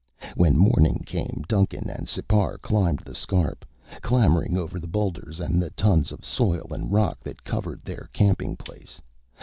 When morning came, Duncan and Sipar climbed the scarp, clambering over the boulders and the tons of soil and rock that covered their camping place.